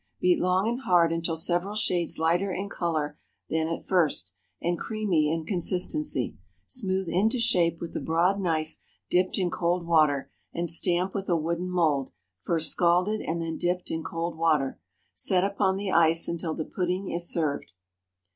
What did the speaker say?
Beat long and hard until several shades lighter in color than at first, and creamy in consistency. Smooth into shape with a broad knife dipped in cold water, and stamp with a wooden mould, first scalded and then dipped in cold water. Set upon the ice until the pudding is served.